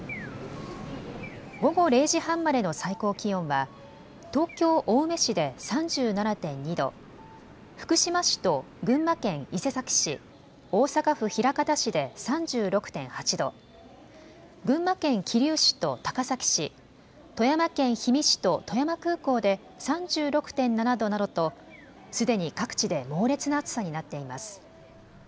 午後０時半までの最高気温は東京青梅市で３７．２度、福島市と群馬県伊勢崎市、大阪府枚方市で３６．８度、群馬県桐生市と高崎市、富山県氷見市と富山空港で３６．７度などとすでに各地で猛烈な暑さになっています。